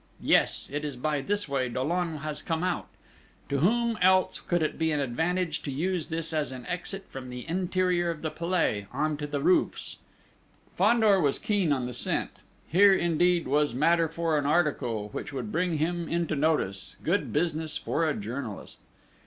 Yes, it is by this way Dollon has come out!... To whom else could it be an advantage to use this as an exit from the interior of the Palais, on to the roofs?" Fandor was keen on the scent! Here, indeed, was matter for an article which would bring him into notice good business for a journalist!